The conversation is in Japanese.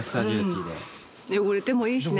汚れてもいいしね。